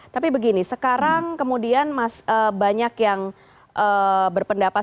tapi begini sekarang kemudian banyak yang berpendapat